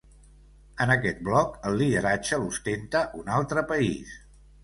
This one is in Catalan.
En aquest bloc, el lideratge l’ostenta un altre país.